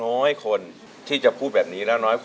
น้อยคนที่จะพูดแบบนี้แล้วน้อยคน